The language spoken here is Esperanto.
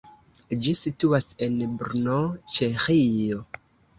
Ĝi situas en Brno, Ĉeĥio.